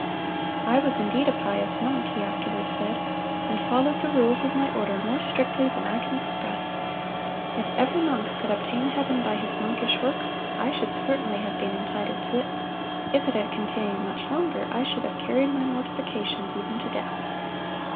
"I was indeed a pious monk," he afterward said, "and followed the rules of my order more strictly than I can express. If ever monk could obtain heaven by his monkish works, I should certainly have been entitled to it.... If it had continued much longer, I should have carried my mortifications even to death."